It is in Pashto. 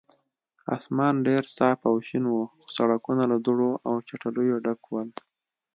اسمان ډېر صاف او شین و، خو سړکونه له دوړو او چټلیو ډک ول.